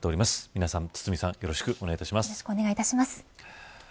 皆さん、堤さんよろしくお願いします。